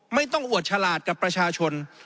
ไม่ต้องอวดฉลาดกับประชาชน